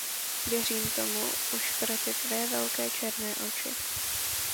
Věřím tomu, už pro ty tvé velké černé oči!